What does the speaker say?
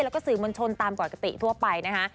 แล้วก็สื่อมวลชนตามปกติทั่วไปนะคะ